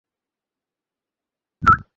বস্তুত ভীষণ তোমাদের ছলনা।